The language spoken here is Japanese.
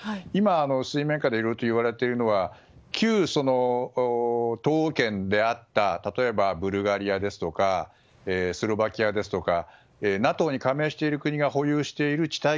今、水面下でいろいろといわれているのは旧トーゴ県であったブルガリアですとかスロバキアですとかＮＡＴＯに加盟している国が保有している地